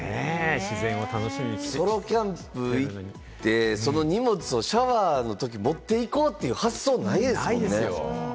自然を楽しみに来てるのに、ソロキャンプ行って、その荷物をシャワーのとき持っていこうという発想はないですよ。